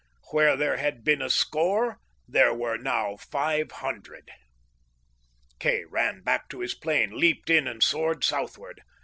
Where there had been a score, there were now five hundred! Kay ran back to his plane, leaped in, and soared southward.